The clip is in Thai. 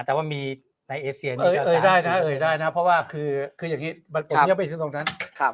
แต่ว่ามีในเอเซียนได้นะเพราะว่าคืออย่างนี้มันยังไม่ถึงตรงนั้น